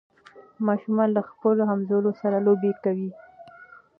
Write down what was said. ماشومان له خپلو همزولو سره لوبې کوي.